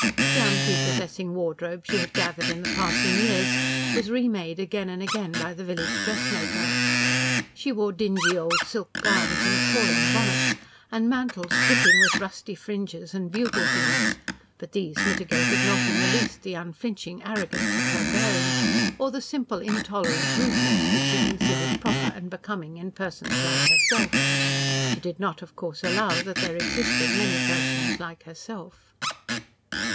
The unprepossessing wardrobe she had gathered in the passing years was remade again and again by the village dressmaker. She wore dingy old silk gowns and appalling bonnets, and mantles dripping with rusty fringes and bugle beads, but these mitigated not in the least the unflinching arrogance of her bearing, or the simple, intolerant rudeness which she considered proper and becoming in persons like herself. She did not of course allow that there existed many persons like herself.